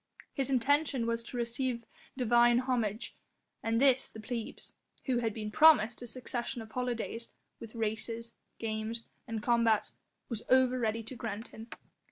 His intention was to receive divine homage, and this the plebs who had been promised a succession of holidays, with races, games, and combats was over ready to grant him.